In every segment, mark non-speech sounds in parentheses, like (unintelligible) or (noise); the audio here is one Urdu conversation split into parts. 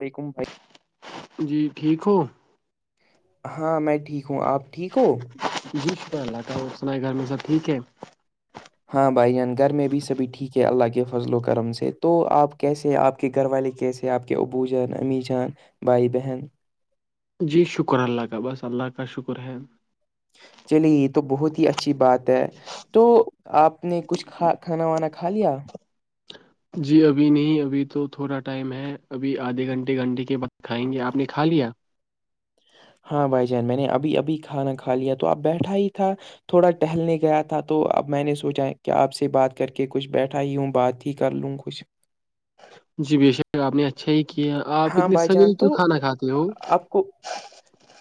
ھ کم جی ٹھیک ہو ہاں میں ٹھیک ہوں آپ ٹھیک ہو جی شکر اللہ کا سنا ہے گھر میں سب ٹھیک ہے ہاں بھائی جان گھر میں بھی سبھی ٹھیک ہے اللہ کے فضل و کرم سے تو آپ کیسے ہیں آپ آپ کے گھر والے کیسے آپ کے ابو جان امی جان بھائی بہن جی شکر اللہ کا بس اللہ کا شکر ہے چلیے یہ تو بہت ہی اچھی بات ہے تو آپ نے کچھ کھا کھانا وانا کھا لیا جی ابھی نہیں ابھی تو تھوڑا ٹائم ہے ابھی آدھے گھنٹے گھنٹے کے بعد کھائیں گے آپ نے کھا لیا ہاں بھائی جان میں نے ابھی ابھی کھانا کھا لیا تو آپ بیٹھا ہی تھا تھوڑا ٹہلنے گیا تھا تو اب میں نے سوچا کہ آپ سے بات کر کے کچھ بیٹھا ہی ہوں بات ہی کر لوں کچھ جی ب شک آپ نے اچھا ہی کیا آپ ہاں اتنے بھائی جان سویرے تو کیوں کھانا کھاتے ہو آپ کو (unintelligible)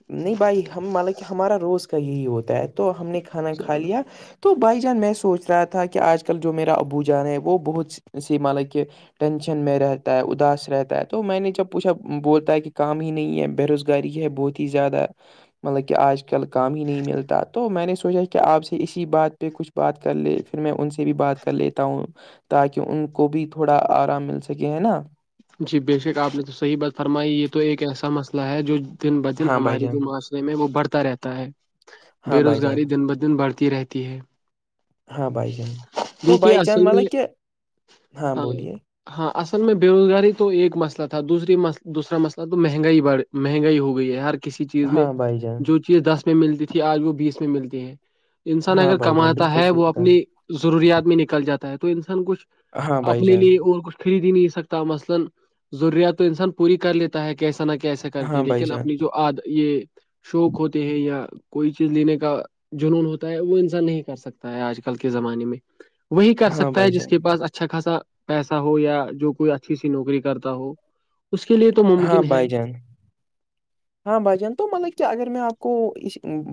نہیں بھائی ہم ملا کہ ہمارا روز کا یہی ہوتا ہے تو ہم نے کھانا کھا لیا تو بائی جان میں سوچ رہا تھا کہ آج کل جو میرا ابو جان ہے وہ بہت سی م لک کے ٹینشن میں رہتا ہے اداس رہتا ہے تو میں نے جب پوچھا بولتا ہے کہ کام ہی نہیں ہے بے روزگار گھر ہے بہت ہی زیادہ مطلب کہ آج کل کام ہی نہیں ملتا تو میں نے سوچا کیا آپ سے اسی بات پہ کچھ بات کر لے پھر میں ان سے بھی بات کر لیتا ہوں تاکہ ان کو بھی تھوڑا آرام مل سکے ہے نا جی بے شک آپ نے تو صحیح بات فرمائی یہ تو ایک ایسا مسئلہ ہے جو دن بہدن ہاں بھائی ہمارے جان جو معاشرے میں وہ بڑھتا رہتا ہے ہاں بے بھائی جان روزگاری دن بہ دن بڑھتی رہتی ہے ہاں بھائی جان تو جیک بھائی جان آصل مطلب کہ ہاں ہاں اصل میں بےوزگار تو ایک مسئلہ تھا دوسری دوسرا مسئلہ تو مہنگائی بڑ مہنگائی ہو گئی ہے ہر کسی چیز میں ہاں بھائی جان جو چیز دس میں ملتی تھی آج وہ بیس میں ملتی ہے انسان ہاں اگر بھائی جان کماتا بالکل ہے صحیح وہ اپنی کہا ضروریات میں نکل جاتا ہے تو انسان کچھ ہاں بھائی اپنے جان لیے اور کچھ خرید ہی نہیں سکتا مسئلہ ضروریات انسان پوری کر لیتے ہے کیسا نہ کیسا کر ہاں کے بھائی لیکن جان اپنی جو آد یہ شوق ہوتے ہیں یا کوئی چیز لینے کا جنون ہوتا ہے وہ انسان نہیں کر سکتا ہے آج کل کے زمانے میں وہی کر ہاں سکتا بھائی ہے جس جان کے پاس اچھا خاصا پیسہ ہو یا جو کوئی اچھی سی نوکری کرتا ہو اس کے لیے تو ہاں ممکن ہے بھائی جان ہاں بھائی جان تو مطلب کہ اگر میں آپ کو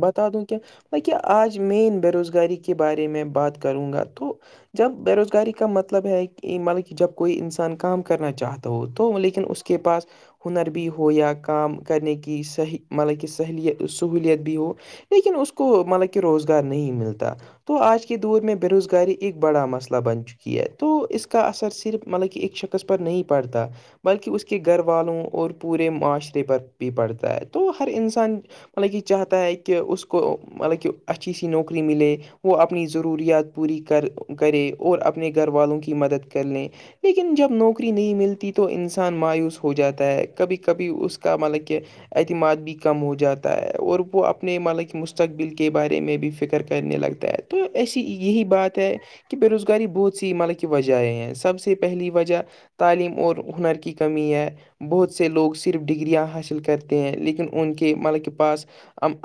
بتا دوں کہ ب کیاہ آج مین بے روزگاری کے بارے میں بات کروں گا تو جب بے روزگاری کا مطلب ہے کہ مطلب کہ جب کوئی انسان کام کرنا چاہتا ہو تو لیکن اس کا کے پاس ہنر بھی ہو یا کام کرنے کی صحیح مطلب کہ سہلیت سہولیت بھی ہو لیکن اس کو مطلب کہ روزگار نہیں ملتا تو آج کے دور میں بے روزگاری ایک بڑا مسئلہ بن چکی ہے تو اس کا اثر صرف مطلب کہ ایک شکص قص پر نہیں پڑتا بلکہ اس کے گھر والوں اور پورے معاشرے پر بھی پڑھتا ہے تو ہر انسان مطلب یہ چاہتا ہے کہ اس کو مطلب کہ اچھی سی نوکری ملے وہ اپنی ضروریات پوری کر کرے اور اپنے گھر والوں کی مدد کر لیں لیکن جب نوکری نہیں ملتی تو انسان مایوس ہو جاتا ہے کبھی کبھی اس کا مطلب اعتماد بھی کم ہو جاتا ہے اور وہ اپنے ملک مستقبل کے بارے میں بھی پ فکر کرنے لگتا ہے تو ایسی یہی بات ہے کہ بے روزگاری بہت سی ملب کی وجہ ہیں سب سے پہلی وجہ تعلیم اور ہنر کی کمی ہے بہت سے لوگ صرف ڈگریاں حاصل حل کرتے ہیں لیکن ان کے مطلب کے پاس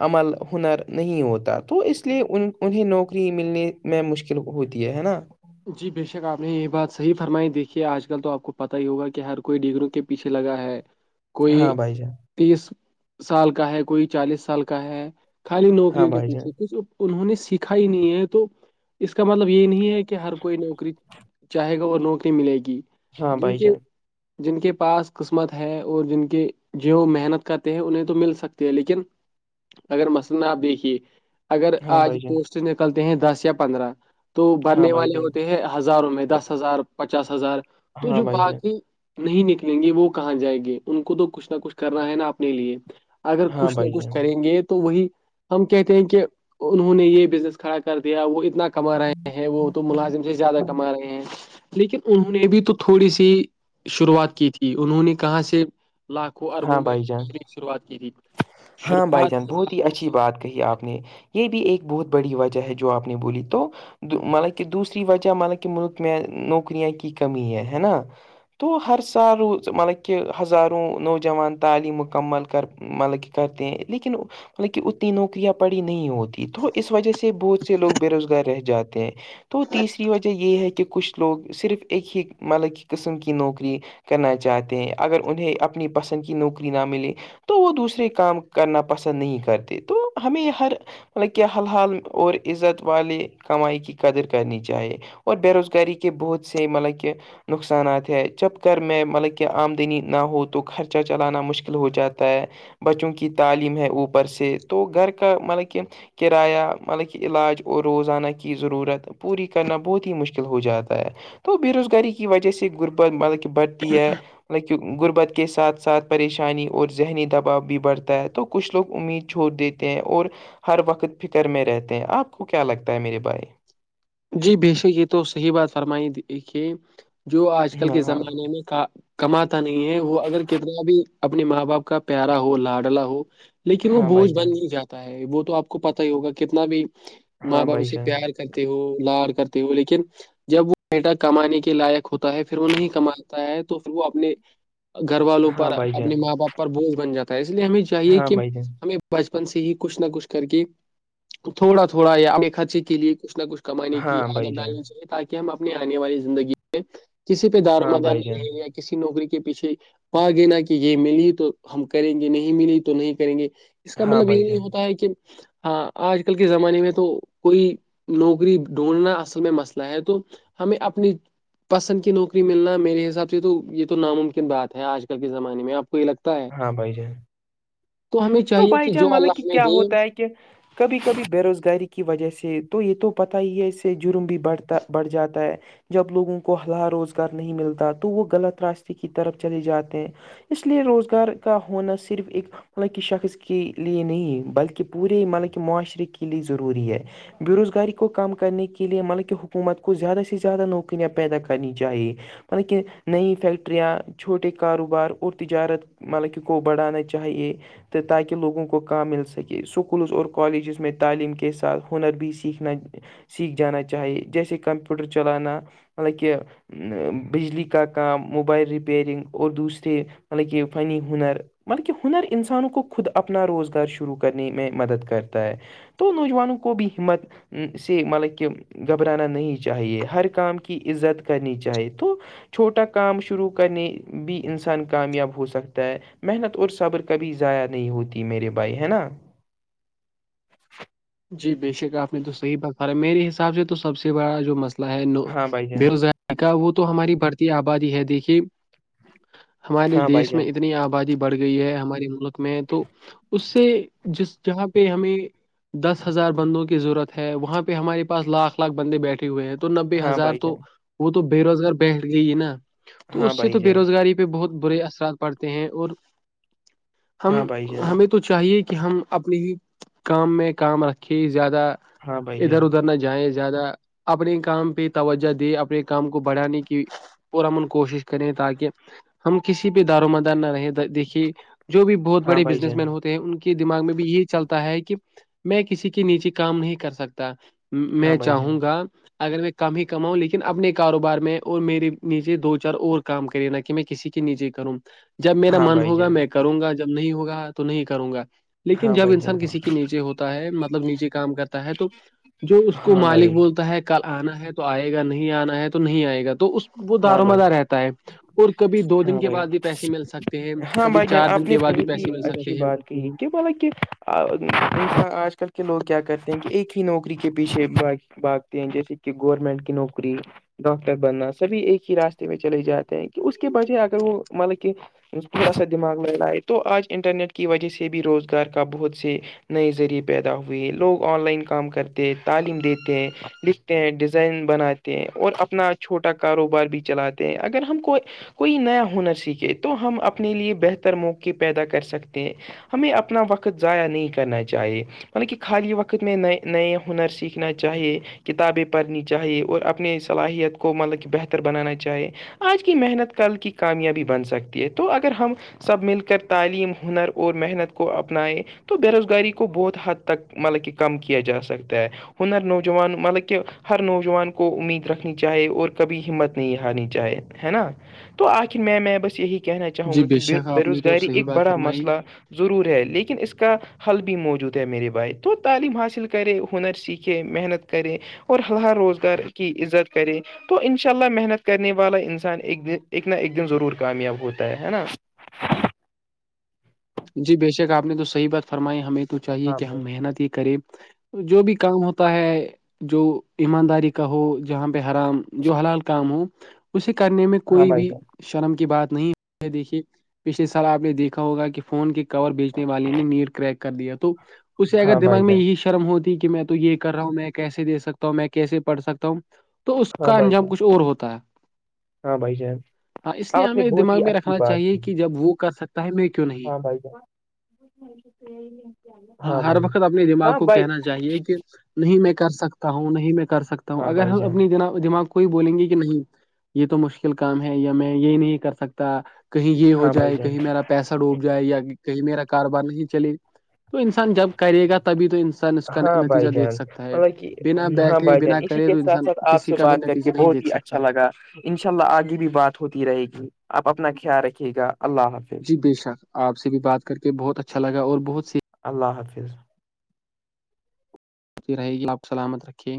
عمل ہنر نہیں ہوتا تو اس لیے ان انہیں نوکری ملنے میں مشکل ہوتی ہے ہے نا جی بے شک آپ نے یہ بات صحی فرمائی دیکھی ہے آج کل تو آپ کو پت ہی ہوگا کہ ہر کوئی ڈگروں کے پیچھے لگا ہے کوئی ہاں بھائی جان تیس سال کا ہے کوئی چالیس سال کا ہے خالی ہاں نوکریوں کے بھائی جان پیچھے کچھ انہوں نے سیکھا ہی نہیں ہے تو اس کا مطلب یہ نہیں ہے کہ کہ ہر کوئی نوکری چاہے گا اور نوکری ملے گی ہاں جن بھائی کے جان جن کے پاس قسمت ہے اور جن کے جو محنت کرتے ہیں انہیں تو مل سکتی ہے لیکن اگر مثئلا آپ دیکھیے اگر ہاں آج بھائی جان پوسٹ نکلتے ہیں دس یا پندرہ تو ہاں برنے بھائی والے جان ہوتے ہیں ہزاروں میں دس ہزار پچاس ہزار تو ہاں جو بھائی جان باقی نہیں نکلیں گے وہ کہاں جائیں گے ان کو تو کچھ نہ کچھ کرنا ہے نا اپنے لیے اگر ہاں کچھ بھائی نہ کچھ جان کریں گے تو وہی ہم کہتے ہیں کہ انہوں نے یہ بزنس کھڑا کر دیا وہ اتنا کما رہے ہیں ہیں وہ تو ملازم سے زیادہ کما رہے ہیں لیکن انہوں نے بھی تو تھوڑی سی شروعات کی تھی انہوں نے کہاں سے لاکھوں اربوں ہاں میں بھائی جان ت شروعات کی تھی ہاں بھائی شروعات جان بہت ہی ہزاروں سے اچھی بات کہی آپ نے یہ بھی ایک بہت بڑی وجہ ہے جو آپ نے بولی تو مطلب کہ دوسری وجہ مطلب کہ ملک میں نوکریا کی کمی ہے ہے نا تو ہر سال روز مطلب کہہ ہزاروں نوجان تعلیم مکمل کر مطلب کہ کرتے ہیں لیکن مطلب کہ اتنی نوکریاں پڑی نہیں ہوتی تو اس وجہ سے بہت سے لوگ بے روزگار رہ جاتے ہیں تو تیسری وجہ یہ ہے کہ کچھ لوگ صرف ایک ہی مطلب کی قسم کی نوکری کرنا چاہتے ہیں اگر انہیں اپنی پسند کی نوکری نہ ملے تو وہ دوسرے کام کرنا پسند نہیں کرتے تو ہمیں ہر مطلب کیا حل حال اور عزت والے کمائی کی قدر کرنی چاہیے اور بے روزگاری کے بہت سے مطلب کہ نقصانات ہے جب کر میں مطلب کہ آمدنی نہ ہو تو خرچہ چلانا مشکل ہو جاتا ہے بچوں کی تعلیم ہے اوپر سے تو گھر کا مطلب کہ کرایہ مطلب کہ علاج اور روزانہ کی ضرورت پوری کرنا بہت ہی مشکل ہو جاتا ہے تو بے روزگاری کی وجہ سے غربت مطلب کہ بڑھتی ہے مطلب کہ غربت کے ساتھ ساتھ پریشانی اور ذہنی دباؤ بھی بڑھتا ہے تو کچھ لوگ امید چھوڑ دیتے ہیں اور ہر وقت فکر میں رہتے ہیں آپ کو کیا لگتا ہے میرے بھائی جی بےشک یہ تو صحیح بات فرمائی کہ جو آج کل ہاں کے ہاں زمانے میں کا کماتا نہیں ہے وہ اگر کتنا بھی اپنے ماں باپ کا پیارا ہو لاڈلا ہو لیکن وہ ہاں بھائی بوجھ بن جان نہیں جاتا ہے وہ تو آپ کو پتا ہی ہوگا کتنا بھی ماں ہاں باپ بھائی اس سے جان پیار کر ہو لاار کرتے ہو لیکن جب وہ بیٹا کمانے کے لائق ہوتا ہے پھر وہ نہیں کماتا ہے تو پھر وہ اپنے گھر والوں ہاں پر بھائی اپنے جان ماں باپ پر بوجھ بن جاتا ہے اس لیے ہمیں چاہیے ہاں کہ بھائی جان ہمیں بچپن سے ہی کچھ نہ کچھ کر کے تھوڑا تھوڑا یا اپنے خرچے کے لیے کچھ نہ کچھ کمانے کی ہاں بھائی عادت جان ڈالنی چاہیے تاکہ ہم اپنے آنے والی زندگی کسی پہ دار و ہاں بھائی مدانی جان نہیں ہے یا کسی نوکری کے پیچھے پا گ نا کہ یہ ملی تو ہم کریں گے نہیں ملی تو نہیں کریں گے اس کا ہاں مطلب یہ بھائی نہیں جان ہوتا ہے کہ ہاں آج کل کے زمانے میں تو کوئی نوکری ڈھونڈنا اصل میں مسئلہ ہے تو ہمیں اپنی پسند کی نوکری ملنا میرے حساب سے تو یہ تو ناممکن بات ہے آج کل کے زمانے میں آپ کو یہ لگتا ہے ہاں بھائی جائے ہمیں تو چاہیے بائی چان جو مطلب کہ اللہ ہمیں کیا دے ہوتا ہے کہ کبھی کبھی بےروزگاری کی وجہ سے تو یہ تو پتاہ ہی ہے اس سے جرم بھی بڑھتا بڑھ جاتا ہے جب لوگوں کو ہلہ روزگار نہیں ملتا تو وہ غلط راستے کی طرف چلے جاتے ہیں اس لیے روزگار کا ہونا صرف ایک مطلب کہہ شخص کے لیے نہیں بلکہ پورے مطلب کہ معاشرے کے لیے ضروری ہے بے روزگاری کو کم کرنے کے لیے مطلب کہ حکومت کو زیادہ سے زیادہ نوکریاں پیدا کرنی چاہیے مطب کہ نئی فییکٹریاں چھوٹے کاروبار اور تجارت مطلب کہ کو بڑھانا چاہیے تو تاکہ لوگوں کو کام مل سکے اسکولز اور کالجز میں تعلیم کے ساتھ ہنر بھی سیکھنا سیکھ جانا چاہیے جیسے کمپیوٹر چلانا مطلب کہ بجلی کا کام موبائل ریپئیرنگ اور دوسرے مطلب فنی ہنر مطلب کی ہنر انسانوں کو خود اپنا روزگار شروع کرنے میں مدد کرتا ہے تو نوجوانوں کو بھی ہمت سے مطلب کہ گھبرانا نہیں چاہیے ہر کام کی عزت کرنی چاہیے تو چھوٹا کام شروع کرنے بھی انسان کامیاب ہو سکتا ہے محنت اور صبر کا کبھی ضائع نہیں ہوتی میرے بھائی ہے نا جی بے شک آپ نے تو صحی با ہے میرے حساب سے تو سب سے بڑا جو مسئلہ ہے ہاں بھائی جان بے روز وہ تو ہماری بڑھتی آبادی ہے دیکھیے ہمارے ہاں بھائی دیش میں جان اتنی آبادی بڑھ گئی ہے ہمارے ملک میں تو اس سے جس جہاں پہ ہمیں دس ہزار بندوں کی ضرورت ہے وہاں پہ ہمارے پاس لاکھ لاکھ بندے بیٹھے ہوئے ہیں تو نبے ہاں ہزار بھائی تو جان وہ تو بے روزگار بیٹھ گئی ہی نا تو ہاں اس سے بھائی تو بے جان روزگاری پہ بہت برے اثرات پڑتے ہیں اور ہاں ہم بھائی جان ہمیں تو چاہیے کہ ہم اپنے ہی کام میں کام رکھے زیادہ ہاں بھائی ادھر جان ادھر نہ جائیں زیادہ اپنے کام پہ توجہ دے اپنے کام کو بڑھانے کی پورا من کوشش کریں تاکہ ہم کسی بھیہ دار و مدار نہ رہیں دیکھیے جو بھی بہت ہاں بڑے بزنس مین بھائی ہوتے ہیں ان کے دماغ میں بھی یہی چلتا ہے کہ میں کسی کے نیچے کام نہیں کر سکتا میں چاہوں جان گا اگر میں کم ہی کماؤں لیکن اپنے کاروبار میں اور میرے نیچے دو چار اور کام کرےینا کہ میں کسی کے نیچے کروں جب میرا ہاں من بھائی ہوگا جان میں کروں گا جب نہیں ہوگا تو نہیں کروں گا لیکن ہاں جب بھائی جان ہاں بھائی جان انسان کسی کے نیچے ہوتا ہے مطلب نیچے کام کرتا ہے تو جو اس کو ہاں مالک بھائی بولتا ہے کل آنا ہے تو آئے گا نہیں آنا ہے تو نہیں آئے گا تو اس وہ دار ہاں بھائی مدار رہتا ہے اور کبھی دو دن ہاں کے بھائی بعد بھی پیسے مل سکتے ہیں ہاں کبھی بھائی جان چار دن آپ نے کے بعد بھی بہت پیسے مل اچھی سکتے ہیں بات کہ کہ بولے کہ آج کل کے لوگ کیا کرتے ہیں کہ ایک ہی نوکری کے پیچھے باقی باگتی ہیں جیسے کہ گورنمنٹ کی نوکری ڈاکٹر بننا سبھی ایک ہی راستے میں چلے جاتے ہیں کہ اس کے وجہ اگر وہ مطلب کہ تھوڑا سا دماغ لڑ رہا ہے تو آج انٹرنیٹ کی وجہ سے بھی روزگار کا بہت سے نئے ذریعے پیدا ہوئے ہیں لوگ آن لائن کام کرتے ہیں تعلیم دیتے ہیں لکھتے ہیں ڈیزائن بناتے ہیں اور اپنا چھوٹا کاروبار بھی چلاتے ہیں اگر ہم کوئی کوئی نیا ہنر سیکھے تو ہم اپنے لیے بہتر موقع پیدا کر سکتے ہیں ہمیں اپنا وقت ضائع نہیں کرنا چاہیے ملب کہ خالی وقت میں نئے نئے ہنر سیکھنا چاہیے کتابیں پڑھنی چاہیے اور اپنے صلاحیت کو مطلب کہ بہتر بنانا چاہیے آج کی محنت کل کی کامیابی بن سکتی ہے تو اگر ہم سب مل کر تعلیم ہنر اور محنت کو اپنائیں تو بے روزگاری کو بہت حد تک مطلب کہ کم کیا جا سکتا ہے ہنر نوجوان مطلب کہ ہر نوجوان کو امید رکھنی چاہے اور کبھی ہمت نہیں ہارنی چاہے ہے نا تو آخر میں میں بس یہی کہنا چاہوں جی گا کہ شک بے آپ نے تو روزگاری صحیح ایک بات بڑا فرمائی مسئلہ ضرور ہے لیکن اس کا حل بھی موجود ہے میرے بھائی تو تعلیم حاصل کرے ہنر سیکھے محنت کرے اور ہ ہر روزگار کی عزت کرے تو ان شاء اللہ محنت کرنے والا انسان ایک د ایک نہ ایک دن ضرور کامیاب ہوتا ہے نا جی بے شک آپ نے تو صحیح بات فرمائی ہمیں تو چاہیے ہاں کہ بھائی ہم محنت ہی کریں جو بھی کام ہوتا ہے جو ایمانداری کا ہو جہاں پہ حرام جو حلال کام ہو اسے کرنے میں ہاں کوئی بھائی بھی جان شرم کی بات نہیں ہے دیکھیے پچھلے سال آپ نے دیکھا ہوگا کہ فون کے کور بیچنے والے نے نیٹ کریک کر دیا تو اسے اگر ہاں بھائی دماغ میں جان یہی ش شرم ہوتی کہ میں تو یہ کر رہا ہوں میں کیسے سکتا ہوں میں کیسے پڑ سکتا ہوں تو اس ہاں کا بھائی انجام جان کچھ اور ہوتا ہے ہاں بھائی جان ہاں اس لیے آپ نے ہمیں بہت دماغ ہی میں اچھی رکھنا بات چاہیے کی کہ جب وہ کر سکتا ہے میں کیوں نہیں ہاں بھائی ج (unintelligible) ہاں ہر وقت اپنے دماغ کو کہنا چاہیے کہ نہیں میں کر سکتا ہوں نہیں میں کر سکتا ہوں ہاں اگر بھائی ہم جان اپنی دماغ کو کوئی بولیں گی کہ نہیں یہ تو مشکل کام ہے یا میں یہ نہیں کر سکتا کہیں یہ ہو ہاں بھائی جائے جان کہیں میرا پیسہ ڈوب جائے یا کہیں میرا کاروبار نہیں چلے تو انسان جب کرے گا تبھی تو انسان اس کا ہاں نتیجہ بھائی دیکھ جان سکتا ہے بنا بیٹھے بنا خشی کرے کے تو ساتھ انسان ساتھ آپ کسی سے کا بھی بات کر کے نتیجہ نہیں بہت دیکھ ہی اچھا سکتا لگا (unintelligible) انشاء اللہ آگے بھی بات ہوتی رہے گی آپ اپنا خیال رکھیے گا اللہ حافظ جی بے شک آپ سے بھی بات کر کے بہت اچھا لگا اور بہت سی اللہ حافظ رہے گی آپ سلامت رکھی